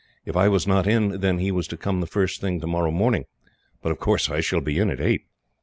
If I was not in, then, he was to come the first thing tomorrow morning; but of course I shall be in at eight.